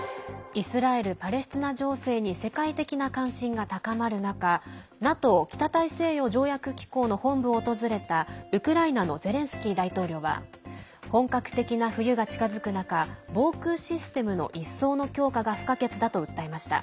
イスラエルパレスチナ情勢に世界的な関心が高まる中ＮＡＴＯ＝北大西洋条約機構の本部を訪れたウクライナのゼレンスキー大統領は本格的な冬が近づく中防空システムの一層の強化が不可欠だと訴えました。